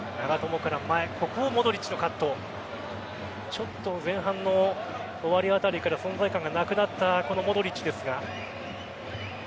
前半の終わりあたりから存在感がなくなったモドリッチですが。